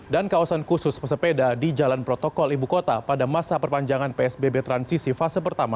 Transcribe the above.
dan kawasan khusus pesepeda di jalan protokol ibu kota pada masa perpanjangan psbb transisi fase pertama